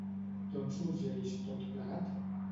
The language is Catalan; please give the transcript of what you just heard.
D'on sorgeix tot plegat?